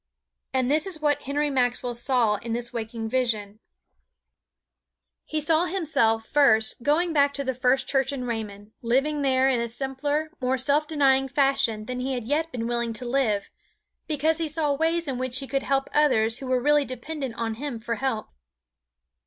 And this is what Henry Maxwell saw in this waking vision: He saw himself, first, going back to the First Church in Raymond, living there in a simpler, more self denying fashion than he had yet been willing to live, because he saw ways in which he could help others who were really dependent on him for help.